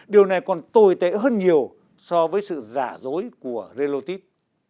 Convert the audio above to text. điều này còn tồi tệ hơn nhiều so với sự giả dối của relotip